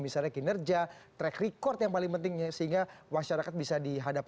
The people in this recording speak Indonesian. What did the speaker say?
misalnya kinerja track record yang paling penting sehingga masyarakat bisa dihadapi